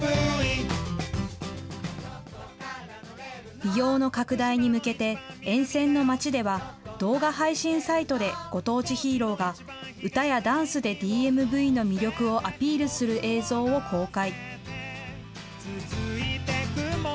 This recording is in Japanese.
利用の拡大に向けて、沿線の町では、動画配信サイトでご当地ヒーローが、歌やダンスでＤＭＶの魅力をアピールする映像を公開。